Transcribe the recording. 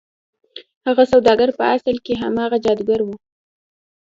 هغه سوداګر په اصل کې هماغه جادوګر و.